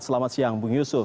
selamat siang bung yusuf